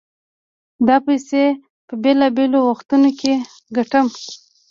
دا پيسې په بېلابېلو وختونو کې ګټم.